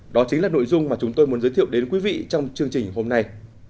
đó chính là nội dung mà chúng tôi muốn giới thiệu đến quý vị trong chương trình hôm nay